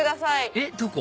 えっどこ？